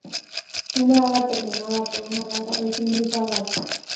Un ala terminada por una garra es un grifo alado.